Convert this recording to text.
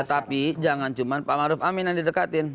tapi jangan cuma pak maruf amin yang didekatin